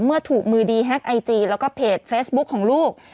เมื่อถูกมือดีแฮ็กไอจีแล้วก็เพจเฟซบุ๊คของลูก